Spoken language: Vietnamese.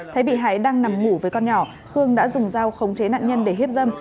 thấy bị hại đang nằm ngủ với con nhỏ khương đã dùng dao khống chế nạn nhân để hiếp dâm